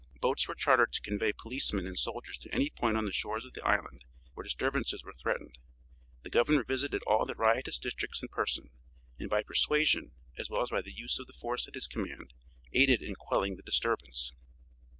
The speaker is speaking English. Boats were chartered to convey policemen and soldiers to any point on the shores of the island where disturbances were threatened. The Governor visited all the riotous districts in person, and by persuasion, as well as by the use of the force at his command, aided in quelling the disturbance.